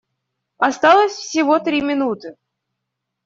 Осталось всего три минуты.